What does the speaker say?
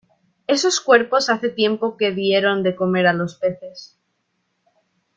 esos cuerpos hace tiempo que dieron de comer a los peces.